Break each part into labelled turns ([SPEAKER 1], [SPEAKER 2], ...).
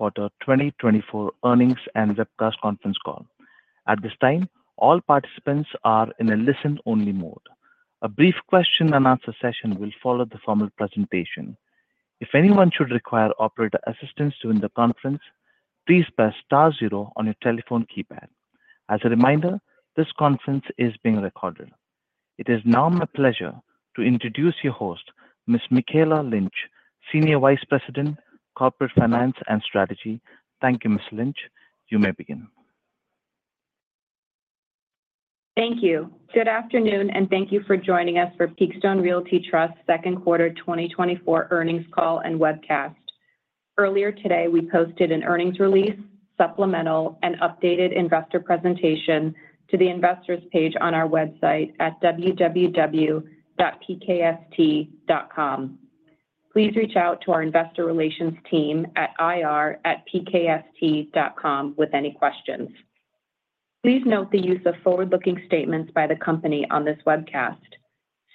[SPEAKER 1] Quarter 2024 earnings and webcast conference call. At this time, all participants are in a listen-only mode. A brief question and answer session will follow the formal presentation. If anyone should require operator assistance during the conference, please press star zero on your telephone keypad. As a reminder, this conference is being recorded. It is now my pleasure to introduce your host, Ms. Mikayla Lynch, Senior Vice President, Corporate Finance and Strategy. Thank you, Ms. Lynch. You may begin.
[SPEAKER 2] Thank you. Good afternoon, and thank you for joining us for Peakstone Realty Trust's Second Quarter 2024 Earnings Call and Webcast. Earlier today, we posted an earnings release, supplemental, and updated investor presentation to the investors page on our website at www.pkst.com. Please reach out to our investor relations team at ir@pkst.com with any questions. Please note the use of forward-looking statements by the company on this webcast.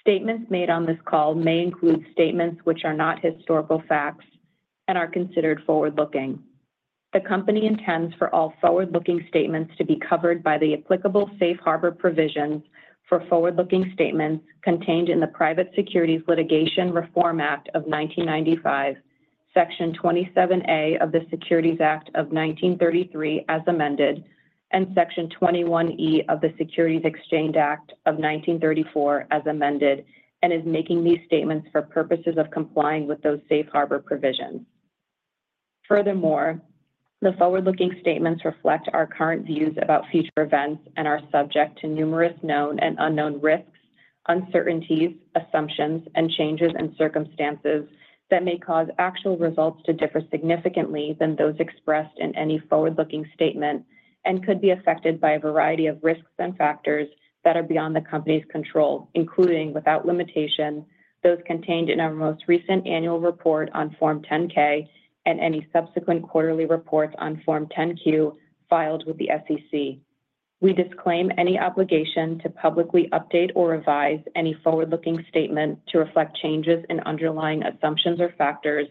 [SPEAKER 2] Statements made on this call may include statements which are not historical facts and are considered forward-looking. The company intends for all forward-looking statements to be covered by the applicable safe harbor provisions for forward-looking statements contained in the Private Securities Litigation Reform Act of 1995, Section 27A of the Securities Act of 1933, as amended, and Section 21E of the Securities Exchange Act of 1934, as amended, and is making these statements for purposes of complying with those safe harbor provisions. Furthermore, the forward-looking statements reflect our current views about future events and are subject to numerous known and unknown risks, uncertainties, assumptions, and changes in circumstances that may cause actual results to differ significantly than those expressed in any forward-looking statement, and could be affected by a variety of risks and factors that are beyond the company's control, including, without limitation, those contained in our most recent annual report on Form 10-K and any subsequent quarterly reports on Form 10-Q filed with the SEC. We disclaim any obligation to publicly update or revise any forward-looking statement to reflect changes in underlying assumptions or factors,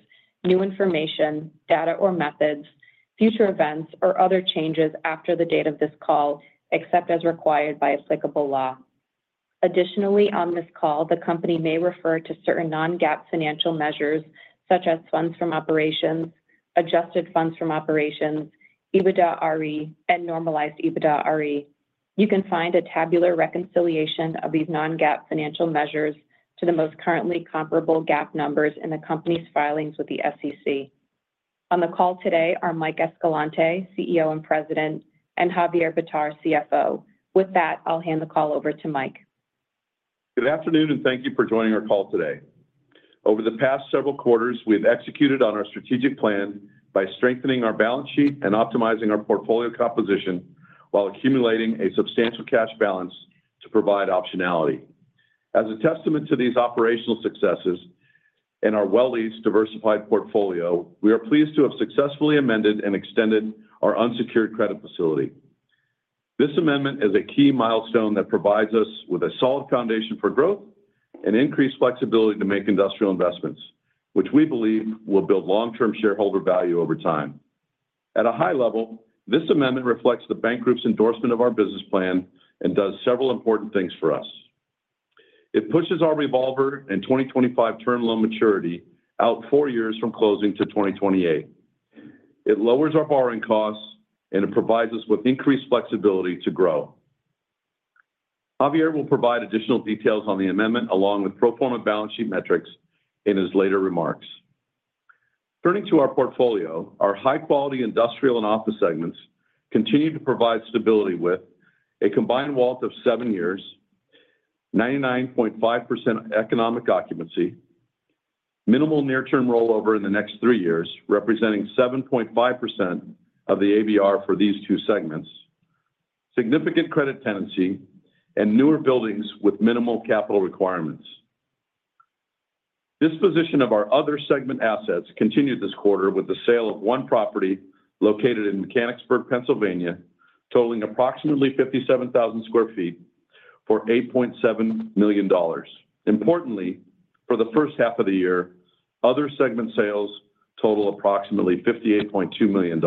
[SPEAKER 2] new information, data or methods, future events, or other changes after the date of this call, except as required by applicable law. Additionally, on this call, the company may refer to certain non-GAAP financial measures, such as funds from operations, adjusted funds from operations, EBITDARE, and normalized EBITDARE. You can find a tabular reconciliation of these non-GAAP financial measures to the most currently comparable GAAP numbers in the company's filings with the SEC. On the call today are Mike Escalante, CEO and President, and Javier Bitar, CFO. With that, I'll hand the call over to Mike.
[SPEAKER 3] Good afternoon, and thank you for joining our call today. Over the past several quarters, we've executed on our strategic plan by strengthening our balance sheet and optimizing our portfolio composition, while accumulating a substantial cash balance to provide optionality. As a testament to these operational successes and our well-leased, diversified portfolio, we are pleased to have successfully amended and extended our unsecured credit facility. This amendment is a key milestone that provides us with a solid foundation for growth and increased flexibility to make industrial investments, which we believe will build long-term shareholder value over time. At a high level, this amendment reflects the bank group's endorsement of our business plan and does several important things for us. It pushes our revolver and 2025 term loan maturity out four years from closing to 2028. It lowers our borrowing costs, and it provides us with increased flexibility to grow. Javier will provide additional details on the amendment, along with pro forma balance sheet metrics in his later remarks. Turning to our portfolio, our high-quality industrial and office segments continue to provide stability with a combined WALT of seven years, 99.5% economic occupancy, minimal near-term rollover in the next three years, representing 7.5% of the ABR for these two segments, significant credit tenancy, and newer buildings with minimal capital requirements. Disposition of our other segment assets continued this quarter with the sale of one property located in Mechanicsburg, Pennsylvania, totaling approximately 57,000 sq ft for $8.7 million. Importantly, for the first half of the year, other segment sales total approximately $58.2 million.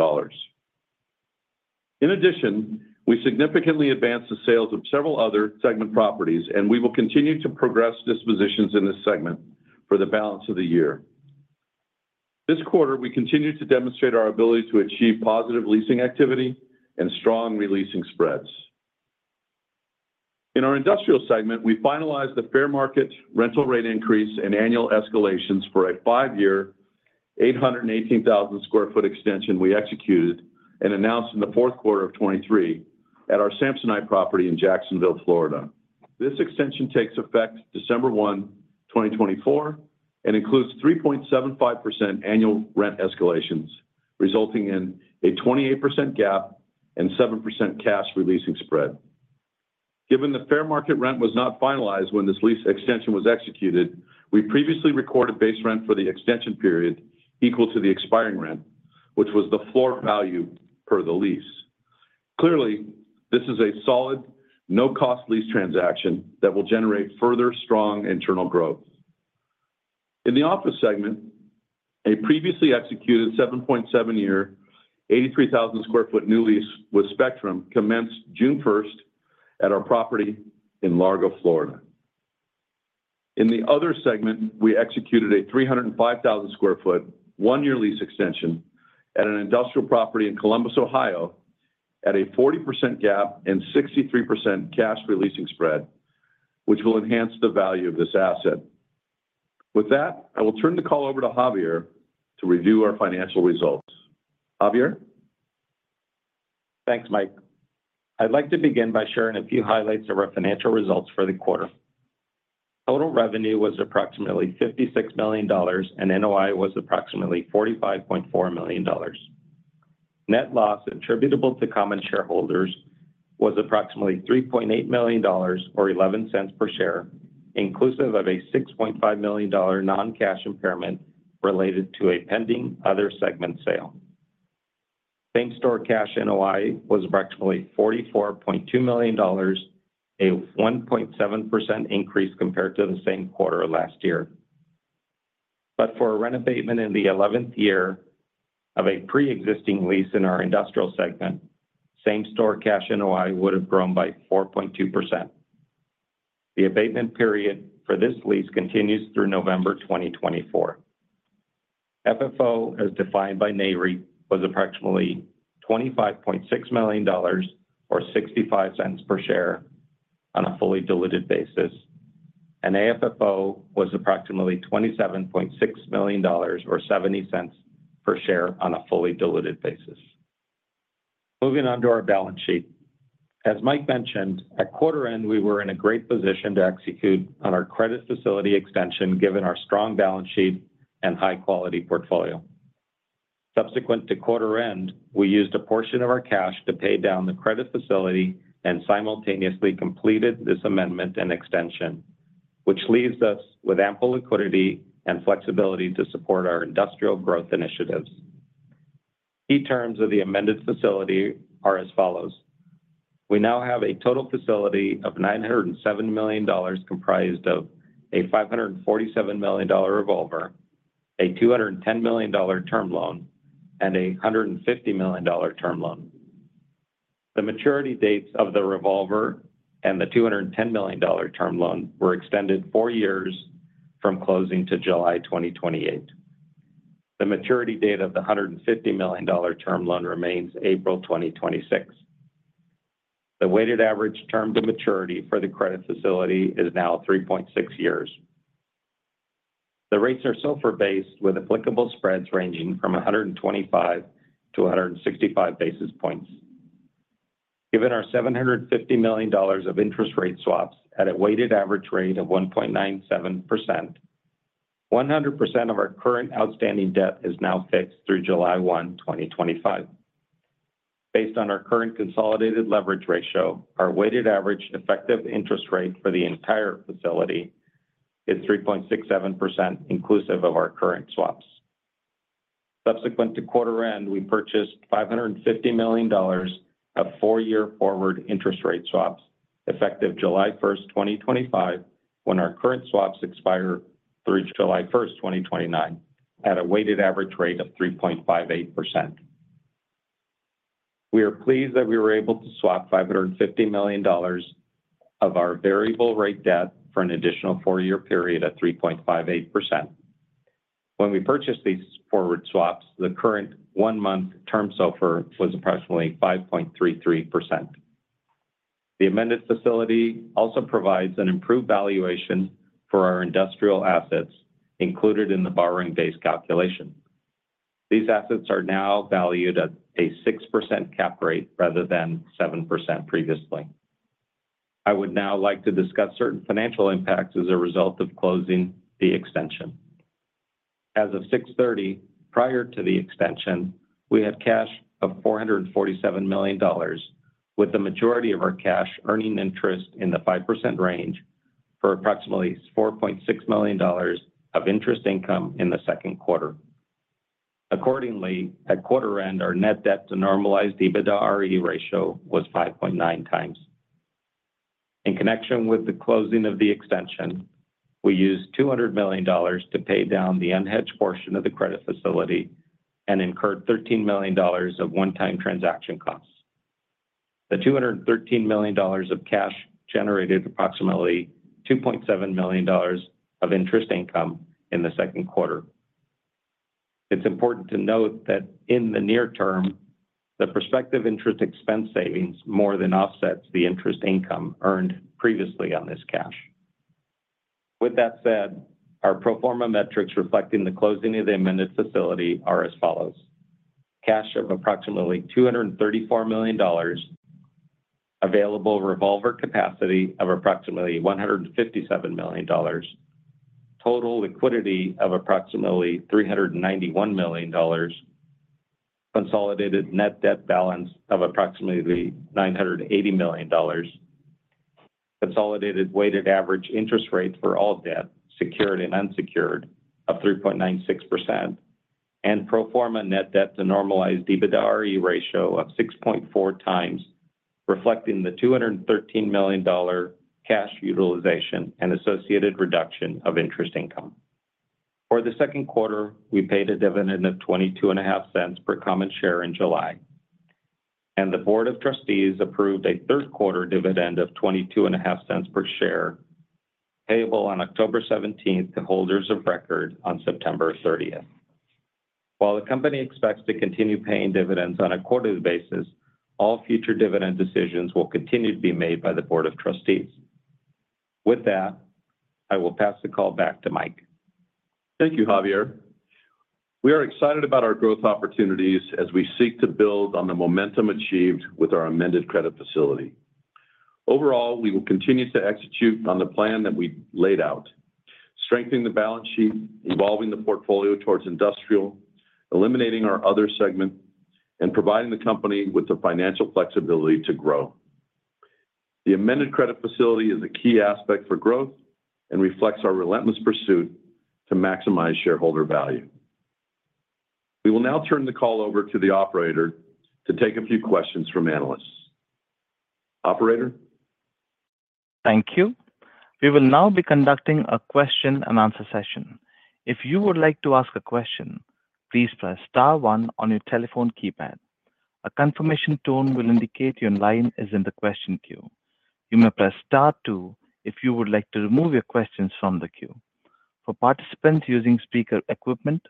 [SPEAKER 3] In addition, we significantly advanced the sales of several other segment properties, and we will continue to progress dispositions in this segment for the balance of the year. This quarter, we continued to demonstrate our ability to achieve positive leasing activity and strong re-leasing spreads. In our industrial segment, we finalized the fair market rental rate increase and annual escalations for a five-year, 818,000 sq ft extension we executed and announced in the fourth quarter of 2023 at our Samsonite property in Jacksonville, Florida. This extension takes effect December 1, 2024, and includes 3.75% annual rent escalations, resulting in a 28% GAAP and 7% cash re-leasing spread. Given the fair market rent was not finalized when this lease extension was executed, we previously recorded base rent for the extension period equal to the expiring rent, which was the floor value per the lease.... Clearly, this is a solid, no-cost lease transaction that will generate further strong internal growth. In the office segment, a previously executed 7.7-year, 83,000 sq ft new lease with Spectrum commenced June 1 at our property in Largo, Florida. In the other segment, we executed a 305,000 sq ft, one-year lease extension at an industrial property in Columbus, Ohio, at a 40% GAAP and 63% cash re-leasing spread, which will enhance the value of this asset. With that, I will turn the call over to Javier to review our financial results. Javier?
[SPEAKER 4] Thanks, Mike. I'd like to begin by sharing a few highlights of our financial results for the quarter. Total revenue was approximately $56 million, and NOI was approximately $45.4 million. Net loss attributable to common shareholders was approximately $3.8 million or $0.11 per share, inclusive of a $6.5 million non-cash impairment related to a pending other segment sale. Same-store cash NOI was approximately $44.2 million, a 1.7% increase compared to the same quarter last year. But for a rent abatement in the 11th year of a pre-existing lease in our industrial segment, same-store cash NOI would have grown by 4.2%. The abatement period for this lease continues through November 2024. FFO, as defined by Nareit, was approximately $25.6 million or $0.65 per share on a fully diluted basis, and AFFO was approximately $27.6 million or $0.70 per share on a fully diluted basis. Moving on to our balance sheet. As Mike mentioned, at quarter end, we were in a great position to execute on our credit facility extension, given our strong balance sheet and high-quality portfolio. Subsequent to quarter end, we used a portion of our cash to pay down the credit facility and simultaneously completed this amendment and extension, which leaves us with ample liquidity and flexibility to support our industrial growth initiatives. Key terms of the amended facility are as follows: We now have a total facility of $907 million, comprised of a $547 million revolver, a $210 million term loan, and a $150 million term loan. The maturity dates of the revolver and the $210 million term loan were extended four years from closing to July 2028. The maturity date of the $150 million term loan remains April 2026. The weighted average term to maturity for the credit facility is now 3.6 years. The rates are SOFR-based, with applicable spreads ranging from 125 to 165 basis points. Given our $750 million of interest rate swaps at a weighted average rate of 1.97%, 100% of our current outstanding debt is now fixed through July 1, 2025. Based on our current consolidated leverage ratio, our weighted average effective interest rate for the entire facility is 3.67%, inclusive of our current swaps. Subsequent to quarter end, we purchased $550 million of four-year forward interest rate swaps, effective July 1, 2025, when our current swaps expire through July 1, 2029, at a weighted average rate of 3.58%. We are pleased that we were able to swap $550 million of our variable rate debt for an additional four-year period at 3.58%. When we purchased these forward swaps, the current one-month term SOFR was approximately 5.33%. The amended facility also provides an improved valuation for our industrial assets included in the borrowing base calculation. These assets are now valued at a 6% cap rate rather than 7% previously. I would now like to discuss certain financial impacts as a result of closing the extension. As of 6/30, prior to the extension, we had cash of $447 million, with the majority of our cash earning interest in the 5% range for approximately $4.6 million of interest income in the second quarter. Accordingly, at quarter end, our net debt to normalized EBITDARE ratio was 5.9x. In connection with the closing of the extension, we used $200 million to pay down the unhedged portion of the credit facility and incurred $13 million of one-time transaction costs. The $213 million of cash generated approximately $2.7 million of interest income in the second quarter. It's important to note that in the near term, the prospective interest expense savings more than offsets the interest income earned previously on this cash. With that said, our pro forma metrics reflecting the closing of the amended facility are as follows: cash of approximately $234 million, available revolver capacity of approximately $157 million, total liquidity of approximately $391 million, consolidated net debt balance of approximately $980 million. Consolidated weighted average interest rates for all debt, secured and unsecured, of 3.96%, and pro forma net debt to normalized EBITDARE ratio of 6.4x, reflecting the $213 million cash utilization and associated reduction of interest income. For the second quarter, we paid a dividend of $0.225 per common share in July, and the Board of Trustees approved a third quarter dividend of $0.225 per share, payable on October seventeenth, to holders of record on September thirtieth. While the company expects to continue paying dividends on a quarterly basis, all future dividend decisions will continue to be made by the Board of Trustees. With that, I will pass the call back to Mike.
[SPEAKER 3] Thank you, Javier. We are excited about our growth opportunities as we seek to build on the momentum achieved with our amended credit facility. Overall, we will continue to execute on the plan that we laid out: strengthening the balance sheet, evolving the portfolio towards industrial, eliminating our other segment, and providing the company with the financial flexibility to grow. The amended credit facility is a key aspect for growth and reflects our relentless pursuit to maximize shareholder value. We will now turn the call over to the operator to take a few questions from analysts. Operator?
[SPEAKER 1] Thank you. We will now be conducting a question and answer session. If you would like to ask a question, please press star one on your telephone keypad. A confirmation tone will indicate your line is in the question queue. You may press star two if you would like to remove your questions from the queue. For participants using speaker equipment,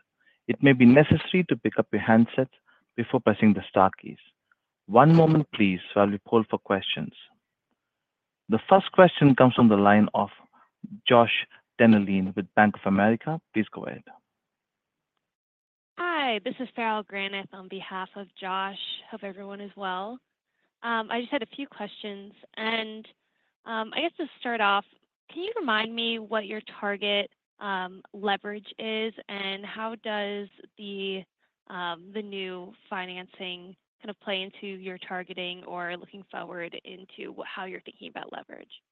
[SPEAKER 1] it may be necessary to pick up your handset before pressing the star keys. One moment please, while we poll for questions. The first question comes from the line of Josh Dennerlein with Bank of America. Please go ahead.
[SPEAKER 5] Hi, this is Farrell Granath on behalf of Josh. Hope everyone is well. I just had a few questions, and, I guess to start off, can you remind me what your target leverage is? And how does the new financing kind of play into your targeting or looking forward into what-- how you're thinking about leverage?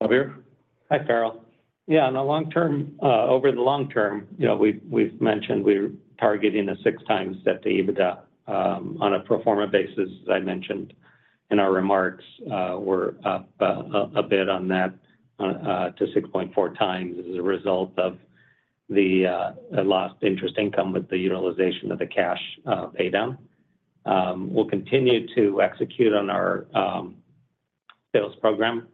[SPEAKER 3] Javier?
[SPEAKER 4] Hi, Farrell. Yeah, in the long term, over the long term, you know, we've mentioned we're targeting a 6x debt-to-EBITDA on a pro forma basis, as I mentioned in our remarks, we're up a bit on that, on to 6.4x as a result of the lost interest income with the utilization of the cash pay down. We'll continue to execute on our sales program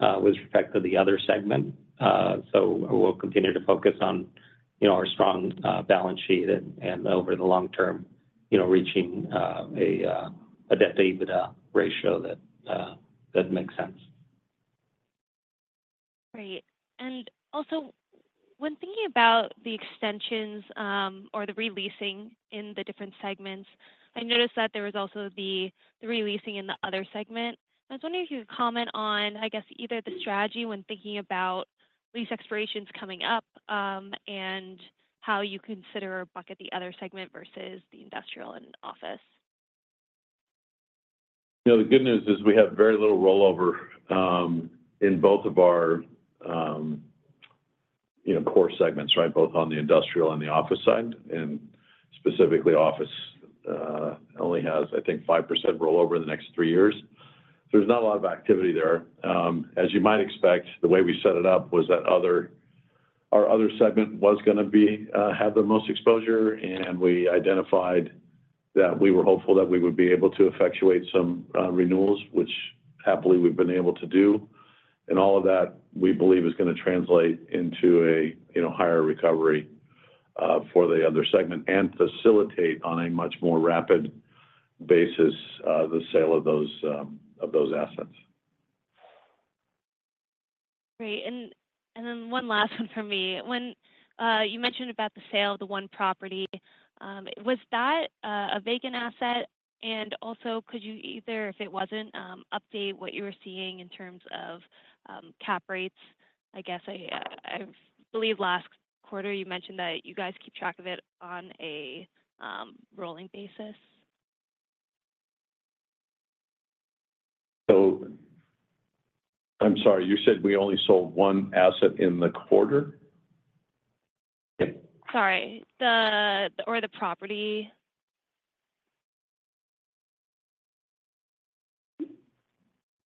[SPEAKER 4] with respect to the other segment. So we'll continue to focus on, you know, our strong balance sheet and over the long term, you know, reaching a debt-to-EBITDA ratio that makes sense.
[SPEAKER 5] Great. And also, when thinking about the extensions, or the re-leasing in the different segments, I noticed that there was also the re-leasing in the other segment. I was wondering if you could comment on, I guess, either the strategy when thinking about lease expirations coming up, and how you consider or bucket the other segment versus the industrial and office?
[SPEAKER 3] You know, the good news is we have very little rollover in both of our, you know, core segments, right? Both on the industrial and the office side, and specifically, office only has, I think, 5% rollover in the next three years. So there's not a lot of activity there. As you might expect, the way we set it up was that other, our other segment was gonna be have the most exposure, and we identified that we were hopeful that we would be able to effectuate some renewals, which happily we've been able to do. And all of that, we believe, is gonna translate into a, you know, higher recovery for the other segment and facilitate on a much more rapid basis the sale of those, of those assets.
[SPEAKER 5] Great. And then one last one from me. When you mentioned about the sale of the one property, was that a vacant asset? And also, could you either, if it wasn't, update what you were seeing in terms of cap rates? I guess, I believe last quarter you mentioned that you guys keep track of it on a rolling basis.
[SPEAKER 3] I'm sorry, you said we only sold one asset in the quarter? Yeah.
[SPEAKER 5] Sorry, or the property.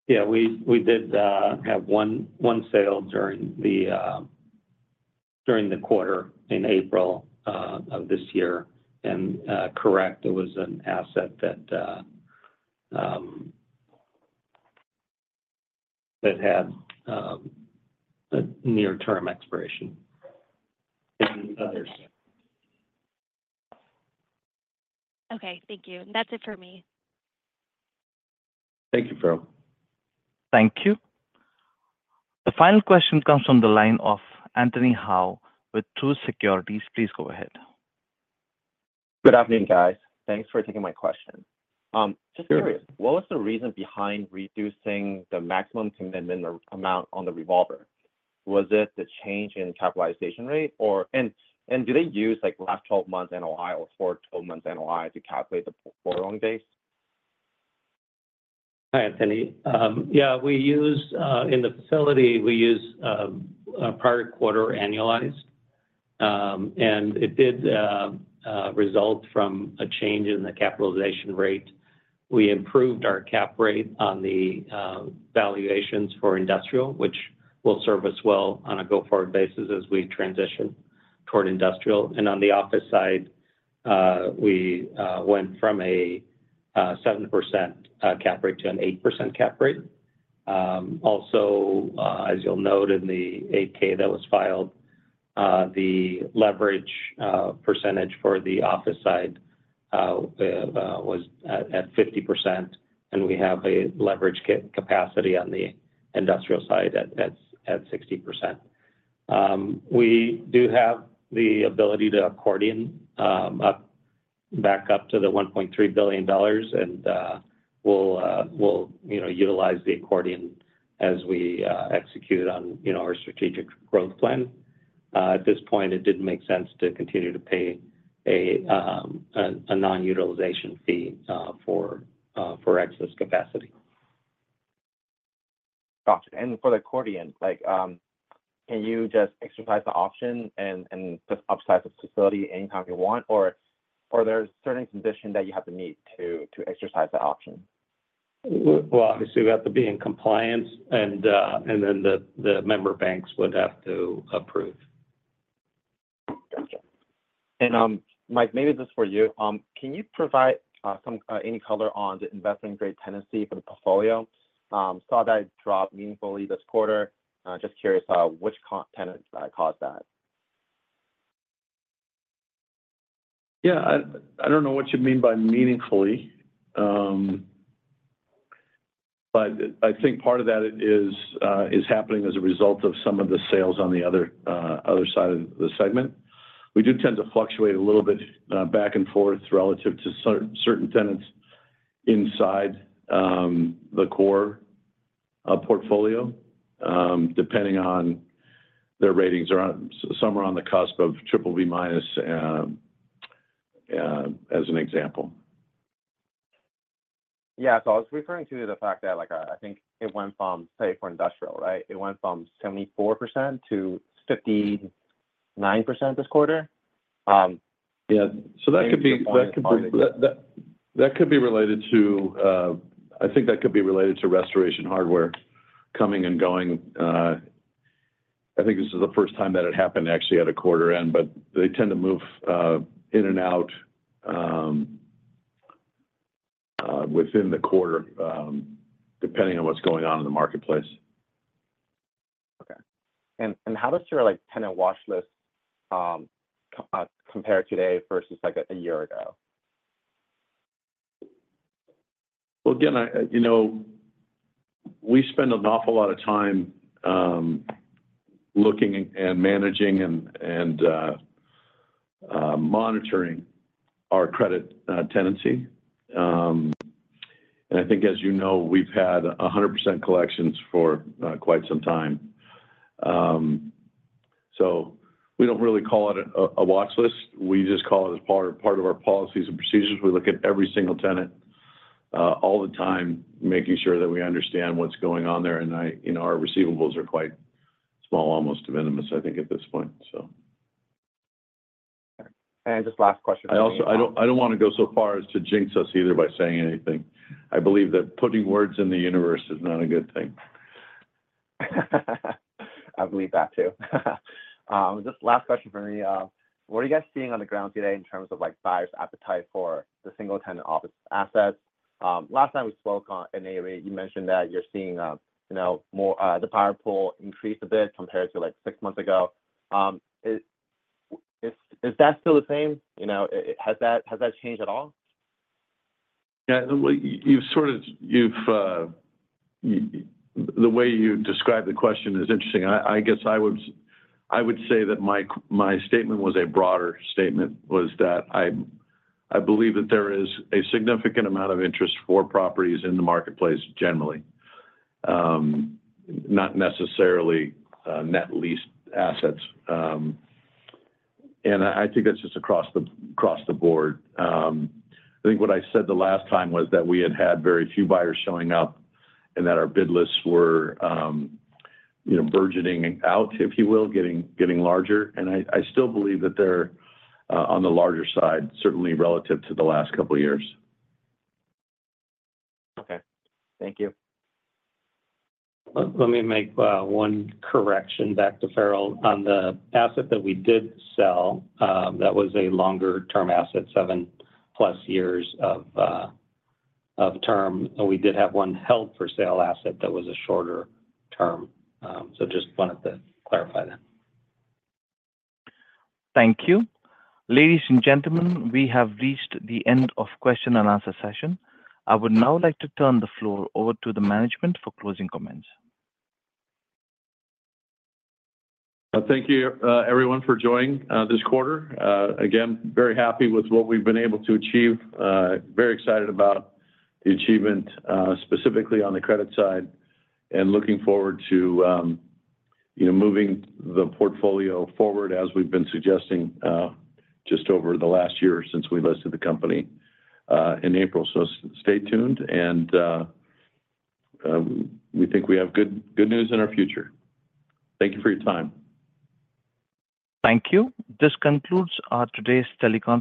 [SPEAKER 4] Yeah, we did have one sale during the quarter in April of this year. Correct, it was an asset that had a near-term expiration in others.
[SPEAKER 5] Okay. Thank you. That's it for me.
[SPEAKER 3] Thank you, Farrell.
[SPEAKER 1] Thank you. The final question comes from the line of Anthony Hau with Truist Securities. Please go ahead.
[SPEAKER 6] Good afternoon, guys. Thanks for taking my question. Just curious, what was the reason behind reducing the maximum commitment amount on the revolver? Was it the change in capitalization rate? Or, and do they use, like, last 12 months NOI or forward 12 months NOI to calculate the Borrowing Base?
[SPEAKER 4] Hi, Anthony. Yeah, we use, in the facility, we use prior quarter annualized. And it did result from a change in the capitalization rate. We improved our cap rate on the valuations for industrial, which will serve us well on a go-forward basis as we transition toward industrial. And on the office side, we went from a 7% cap rate to an 8% cap rate. Also, as you'll note in the 8-K that was filed, the leverage percentage for the office side was at 50%, and we have a leverage capacity on the industrial side at 60%. We do have the ability to accordion up to the $1.3 billion, and we'll, you know, utilize the accordion as we execute on, you know, our strategic growth plan. At this point, it didn't make sense to continue to pay a non-utilization fee for excess capacity.
[SPEAKER 6] Gotcha. And for the accordion, like, can you just exercise the option and just upsize the facility anytime you want, or there's certain conditions that you have to meet to exercise that option?
[SPEAKER 4] Well, obviously, we have to be in compliance, and then the member banks would have to approve.
[SPEAKER 6] Gotcha. Mike, maybe this is for you. Can you provide any color on the investment-grade tenancy for the portfolio? Saw that it dropped meaningfully this quarter. Just curious, which co-tenants caused that?
[SPEAKER 3] Yeah, I don't know what you mean by meaningfully. But I think part of that is happening as a result of some of the sales on the other side of the segment. We do tend to fluctuate a little bit back and forth relative to certain tenants inside the core portfolio. Depending on their ratings, around some are on the cusp of BBB-, as an example.
[SPEAKER 6] Yeah. So I was referring to the fact that, like, I think it went from, say, for industrial, right? It went from 74% to 59% this quarter.
[SPEAKER 3] Yeah. So that could be related to... I think that could be related to Restoration Hardware coming and going. I think this is the first time that it happened actually at a quarter end, but they tend to move in and out within the quarter depending on what's going on in the marketplace.
[SPEAKER 6] Okay. And how does your, like, tenant watch list compare today versus, like, a year ago?
[SPEAKER 3] Well, again, I, you know, we spend an awful lot of time looking and managing and monitoring our credit tenancy. And I think as you know, we've had 100% collections for quite some time. So we don't really call it a watch list. We just call it as part of our policies and procedures. We look at every single tenant all the time, making sure that we understand what's going on there. And I, you know, our receivables are quite small, almost de minimis, I think, at this point, so.
[SPEAKER 6] Just last question-
[SPEAKER 3] I also... I don't want to go so far as to jinx us either by saying anything. I believe that putting words in the universe is not a good thing.
[SPEAKER 6] I believe that, too. Just last question from me, what are you guys seeing on the ground today in terms of, like, buyers' appetite for the single-tenant office assets? Last time we spoke at Nareit, you mentioned that you're seeing, you know, more, the buyer pool increase a bit compared to, like, six months ago. Is that still the same? You know, has that changed at all?
[SPEAKER 3] Yeah. Well, the way you described the question is interesting. I guess I would say that my statement was a broader statement, that I believe that there is a significant amount of interest for properties in the marketplace generally. Not necessarily net leased assets. And I think that's just across the board. I think what I said the last time was that we had had very few buyers showing up and that our bid lists were, you know, burgeoning out, if you will, getting larger. And I still believe that they're on the larger side, certainly relative to the last couple of years.
[SPEAKER 6] Okay. Thank you.
[SPEAKER 4] Let me make one correction back to Farrell. On the asset that we did sell, that was a longer-term asset, 7+ years of term. We did have one held-for-sale asset that was a shorter term. So just wanted to clarify that.
[SPEAKER 1] Thank you. Ladies and gentlemen, we have reached the end of question and answer session. I would now like to turn the floor over to the management for closing comments.
[SPEAKER 3] Thank you, everyone, for joining this quarter. Again, very happy with what we've been able to achieve. Very excited about the achievement, specifically on the credit side, and looking forward to, you know, moving the portfolio forward as we've been suggesting, just over the last year since we listed the company in April. So stay tuned, and we think we have good news in our future. Thank you for your time.
[SPEAKER 1] Thank you. This concludes today's teleconference.